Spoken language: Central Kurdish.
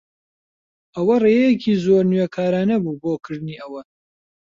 ئەوە ڕێیەکی زۆر نوێکارانە بوو بۆ کردنی ئەوە.